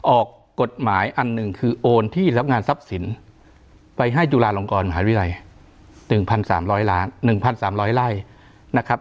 ออกกฎหมายอันหนึ่งคือโอนที่รับงานทรัพย์สินไปให้จุฬาลงกรมหาวิทยาลัย๑๓๐๐ล้าน๑๓๐๐ไร่นะครับ